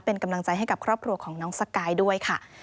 เป็นกำลังใจให้กับครอบครัวของน้องสกายด้วยค่ะ